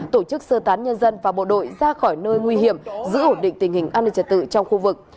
tổ chức sơ tán nhân dân và bộ đội ra khỏi nơi nguy hiểm giữ ổn định tình hình an ninh trật tự trong khu vực